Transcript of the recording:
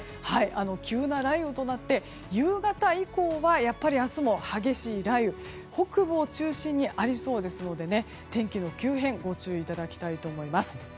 急な雷雨となって夕方以降はやっぱり明日も激しい雷雨が北部を中心にありそうですので天気の急変にご注意いただきたいと思います。